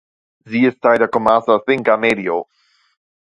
Sie ist Teil der Comarca Cinca Medio.